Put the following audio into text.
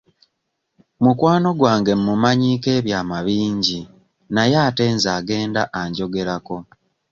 Mukwano gwange mmumanyiiko ebyama bingi naye ate nze agenda anjogerako.